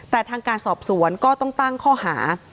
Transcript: แต่ทางการสอบสวนก็ต้องตั้งข้อหา